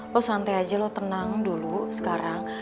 lo santai aja lo tenang dulu sekarang